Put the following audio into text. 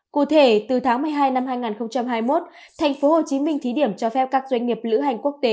cụ thể từ tháng một mươi hai năm hai nghìn hai mươi một tp hcm thí điểm cho phép các doanh nghiệp lữ hành quốc tế